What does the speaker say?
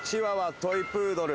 トイプードル。